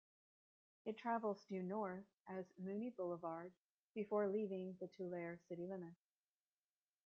It travels due north as Mooney Boulevard before leaving the Tulare city limits.